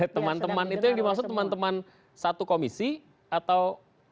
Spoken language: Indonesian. teman teman itu yang dimaksud teman teman satu komisi atau